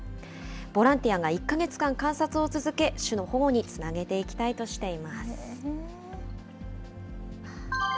ボランティアが１か月間観察を続け、種の保護につなげていきたいとしています。